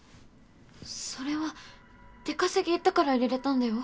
それは出稼ぎ行ったから入れれたんだよ？